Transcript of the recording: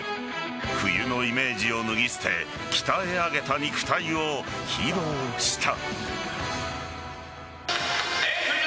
冬のイメージを脱ぎ捨て鍛え上げた肉体を披露した。